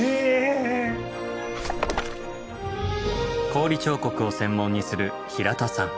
氷彫刻を専門にする平田さん。